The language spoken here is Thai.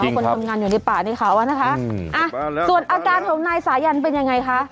จริงครับคนทำงานอยู่ในป่าในเขาอะนะคะอืมอ่าส่วนอาการหัวหน้าสายันเป็นยังไงคะ